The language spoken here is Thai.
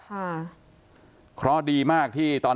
จนกระทั่งหลานชายที่ชื่อสิทธิชัยมั่นคงอายุ๒๙เนี่ยรู้ว่าแม่กลับบ้าน